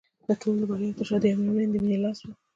د ټولو د بریاوو تر شا د یوې مېرمنې د مینې لاس و